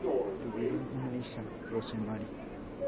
Tuvieron una hija, Rosemary.